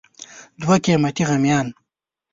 دوه قیمتي غمیان